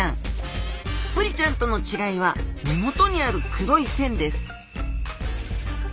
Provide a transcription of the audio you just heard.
ブリちゃんとの違いは目元にある黒い線です